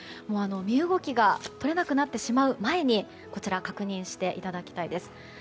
身動きが取れなくなってしまう前にこちらを確認していただきたいです。